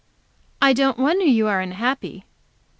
"I don't wonder you are unhappy.